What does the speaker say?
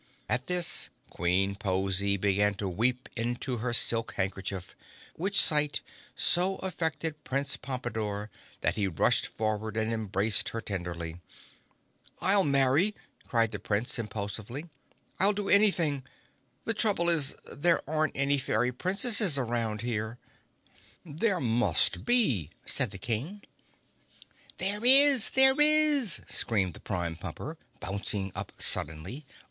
At this Queen Pozy began to weep into her silk handkerchief, which sight so affected Prince Pompadore that he rushed forward and embraced her tenderly. "I'll marry!" cried the Prince impulsively. "I'll do anything! The trouble is there aren't any Fairy Princesses around here!" "There must be," said the King. "There is—There are!" screamed the Prime Pumper, bouncing up suddenly.